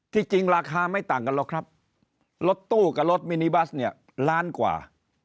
จริงราคาไม่ต่างกันหรอกครับรถตู้กับรถมินิบัสเนี่ยล้านกว่า